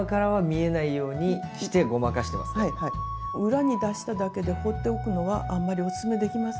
裏に出しただけで放っておくのはあんまりおすすめできません。